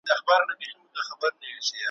راته راوړی لیک مي رویبار دی `